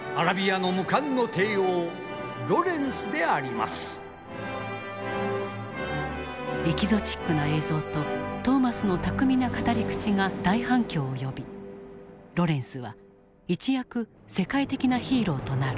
題してエキゾチックな映像とトーマスの巧みな語り口が大反響を呼びロレンスは一躍世界的なヒーローとなる。